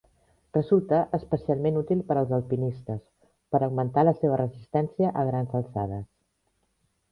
Resulta especialment útil per als alpinistes, per augmentar la seva resistència a grans alçades.